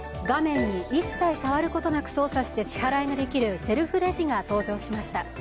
画面に一切触ることなく操作して支払いができるセルフレジが登場しました。